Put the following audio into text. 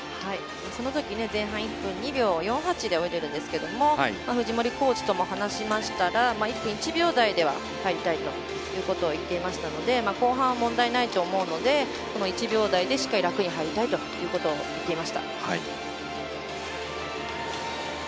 そのとき前半１分２秒４８で泳いでいるんですけど藤森コーチとも話していましたが１分１秒台では入りたいということを言っていましたので後半は問題ないと思うので１秒台でしっかり楽に入りたいということを言っていました。